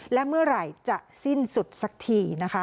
และเมื่อไหร่จะสิ้นสุดสักทีนะคะ